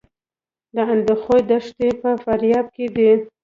د اندخوی دښتې په فاریاب کې دي